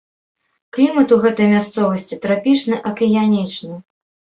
Клімат у гэтай мясцовасці трапічны акіянічны.